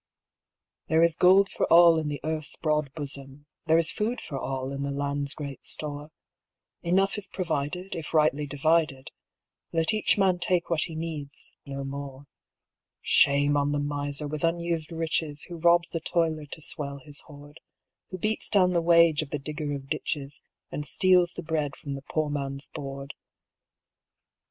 There is gold for all in the earth's broad bosom, There is food for all in the land's great store; Enough is provided if rightly divided; Let each man take what he needs no more. Shame on the miser with unused riches, Who robs the toiler to swell his hoard, Who beats down the wage of the digger of ditches, And steals the bread from the poor man's board.